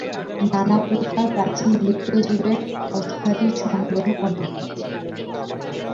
নানাপ্রকার প্রাচীন লুপ্ত জীবের অস্থ্যাদি সংগ্রহ অনেক।